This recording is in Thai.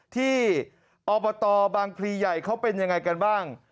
ที่อบตบางพลีใหญ่เขาเป็นยังไงกันบ้าง